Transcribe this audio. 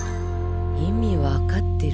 意味わかってる？